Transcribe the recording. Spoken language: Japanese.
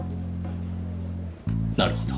なるほど。